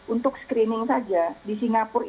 untuk screening saja di singapura